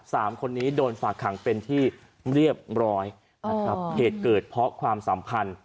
สามคนนี้โดนฝากขังเป็นที่เรียบร้อยนะครับเหตุเกิดเพราะความสัมพันธ์